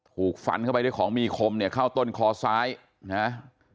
ถูกฟันเข้าไปด้วยของมีคมเนี่ยเข้าต้นคอซ้ายนะฮะ